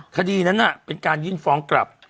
คดีนั้นเป็นการยื่นฟ้องกลับ